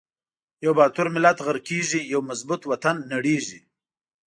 یو با تور ملت غر قیږی، یو مظبو ط وطن نړیزی